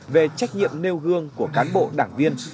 về trách nhiệm nêu gương của cán bộ đảng viên